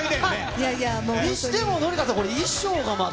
いやいやもう。にしても、紀香さん衣装がまた。